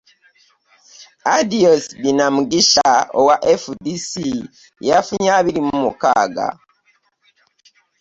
Adios Beineomugisha owa FDC yafunye abiri my mukaaga